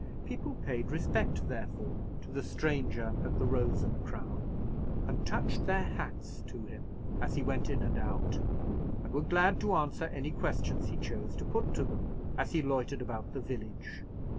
People paid respect, therefore, to the stranger at the Rose and Crown, and touched their hats to him as he went in and out, and were glad to answer any questions he chose to put to them as he loitered about the village.